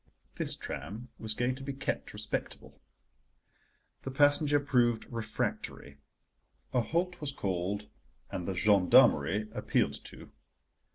This tram was going to be kept respectable. The passenger proved refractory, a halt was called, and the gendarmerie appealed to.